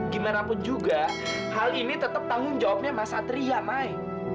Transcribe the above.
gimanapun juga hal ini tetap tanggung jawabnya mas satri ya mai